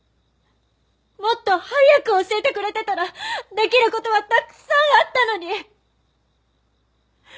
もっと早く教えてくれてたらできる事はたくさんあったのに！